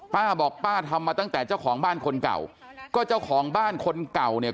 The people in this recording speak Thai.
ป้าบอกป้าทำมาตั้งแต่เจ้าของบ้านคนเก่าก็เจ้าของบ้านคนเก่าเนี่ย